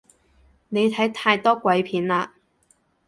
你睇太多鬼片喇